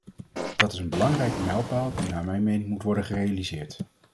Dat is een belangrijke mijlpaal die naar mijn mening moet worden gerealiseerd.